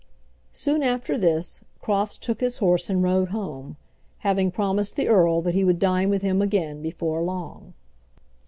Soon after this, Crofts took his horse and rode home, having promised the earl that he would dine with him again before long.